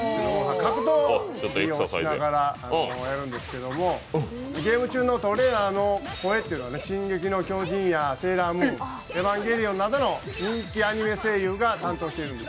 格闘技をしながらやるんですけどゲーム中のトレーナーの声っていうのは「進撃の巨人」とか「セーラームーン」、「エヴァンゲリオン」などの人気アニメ声優が担当してるんです。